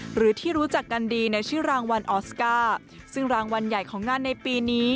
หรือที่รู้จักกันดีในชื่อรางวัลออสการ์ซึ่งรางวัลใหญ่ของงานในปีนี้